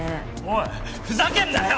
おいふざけんなよ！